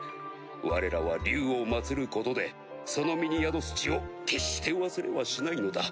われらは竜を祀ることでその身に宿す血を決して忘れはしないのだ。